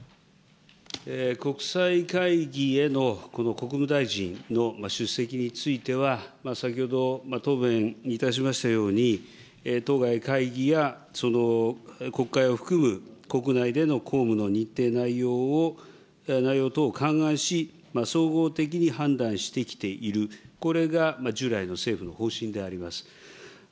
国際会議へのこの国務大臣の出席については、先ほど答弁いたしましたように、当該会議やその国会を含む国内での公務の日程内容を、内容等を勘案し、総合的に判断してきている、これが従来の政府の方針であります。